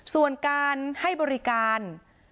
ส่วนการให้บริการ